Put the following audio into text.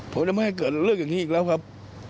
ผมจะไม่ให้เกิดเรื่องอีกแล้วครับ